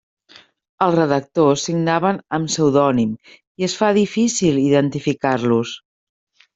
Els redactors signaven amb pseudònim i es fa difícil identificar-los.